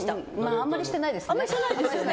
あんまりしてないですね。